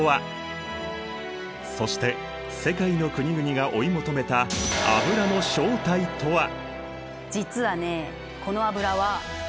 そして世界の国々が追い求めた実はねこの油は。